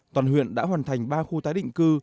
toàn huyện đã hoàn thành ba khu tái định cư